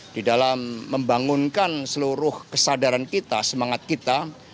di dalam membangunkan seluruh kesadaran kita semangat kita